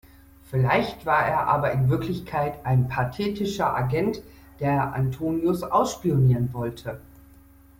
Vielleicht war er aber in Wirklichkeit ein parthischer Agent, der Antonius ausspionieren sollte.